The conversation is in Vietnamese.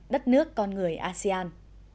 đất nước con người asean